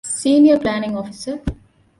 ސީނިއަރ ޕްލޭނިންގ އޮފިސަރ